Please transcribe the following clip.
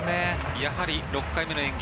やはり６回目の演技